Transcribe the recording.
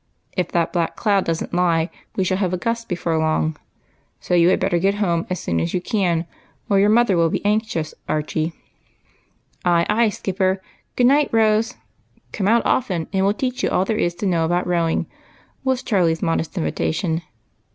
If that black cloud does n't lie, we shall have a gust before long, so you had better get home as soon as you can, or your mother will be anxious, Archie." "Ay, ay, skipper. Good night, Rose; come out often, and we '11 teach you all there is to know about rowing," was Charlie's modest invitation.